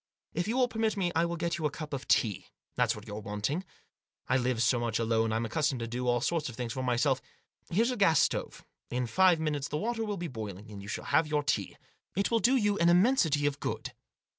If you will permit me I will get you a cup of tea ; that's what you're wanting. I live so much alone I'm accustomed to do all sorts of things for myself. Here's a gas stove ; in five minutes the water will be boiling ; you shall have your tea. It will do you an immensity of good."